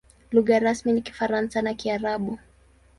Lugha rasmi ni Kifaransa na Kiarabu.